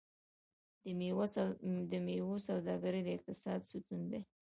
د میوو سوداګري د اقتصاد ستون ده.